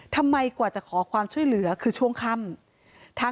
กว่าจะขอความช่วยเหลือคือช่วงค่ำ